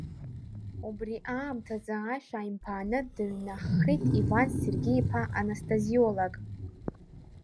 Убри аамҭазы ашә ааимԥааны дааҩнаххит Иван Сергеи-иԥа анастазиолог.